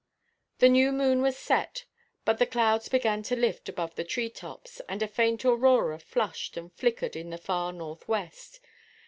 The new moon was set, but the clouds began to lift above the tree–tops, and a faint Aurora flushed and flickered in the far north–west.